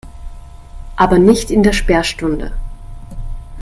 Aber nicht in der Sperrstunde.